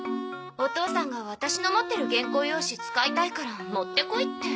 お父さんがワタシの持ってる原稿用紙使いたいから持ってこいって。